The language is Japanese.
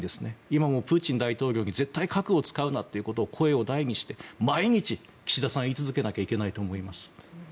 今もプーチン大統領に絶対核を使うなということを声を大にして、毎日岸田さんは言い続けないといけないと思います。